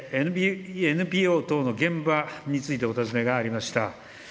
ＮＰＯ等の現場についてお尋ねがありました。